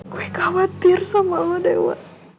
gue khawatir sama allah dewa